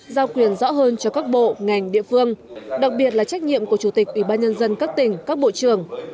giao quyền rõ hơn cho các bộ ngành địa phương đặc biệt là trách nhiệm của chủ tịch ủy ban nhân dân các tỉnh các bộ trưởng